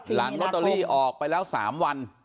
หลังลอตเตอรี่ออกไปแล้ว๓วัน